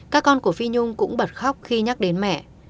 các con của phi nhung cũng bật khóc khi nhắc đến mẹ